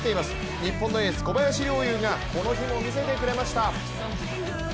日本のエース・小林陵侑がこの日も見せてくれました。